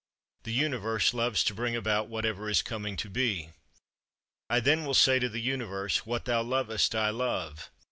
The Universe loves to bring about whatever is coming to be. I then will say to the Universe: "What thou lovest I love."